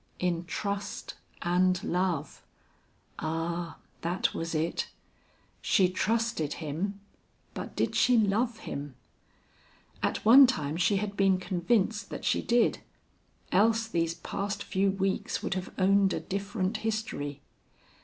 In trust and love; ah! that was it. She trusted him, but did she love him? At one time she had been convinced that she did, else these past few weeks would have owned a different history.